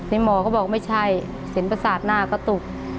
ที่หมอก็บอกไม่ใช่สินปศาจหน้ากระตุก